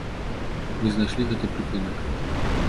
Мы знайшлі гэты прыпынак.